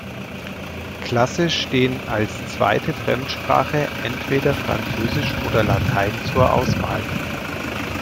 Klasse stehen als zweite Fremdsprache entweder Französisch oder Latein zur Auswahl.